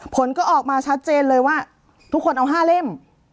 ผลก็ออกมาชัดเจนเลยว่าทุกคนเอา๕เล่ม